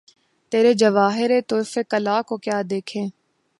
تیرے جواہرِ طُرفِ کلہ کو کیا دیکھیں!